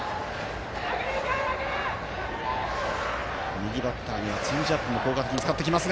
右バッターにはチェンジアップも効果的に使ってきます。